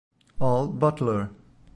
Al Butler